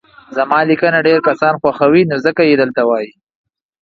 زما ليکنه ډير کسان خوښوي نو ځکه يي دلته وايي